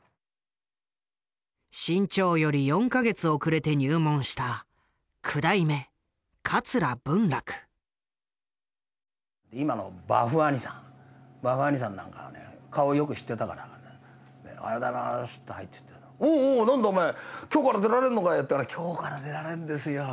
志ん朝より４か月遅れて入門した今の馬風兄さんなんかはね顔をよく知ってたから「おはようございます」って入っていったら「おおなんだお前今日から出られるのかい」って「今日から出られるんですよ」つって。